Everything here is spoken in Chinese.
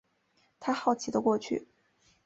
他好奇的过去